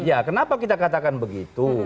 ya kenapa kita katakan begitu